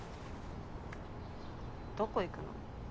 どこ行くの？